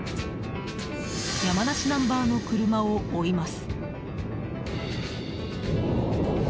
山梨ナンバーの車を追います。